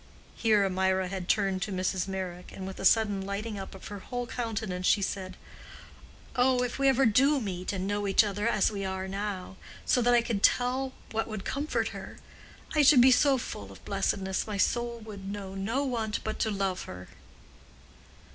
Here Mirah had turned to Mrs. Meyrick, and with a sudden lighting up of her whole countenance, she said, "Oh, if we ever do meet and know each other as we are now, so that I could tell what would comfort her—I should be so full of blessedness my soul would know no want but to love her!"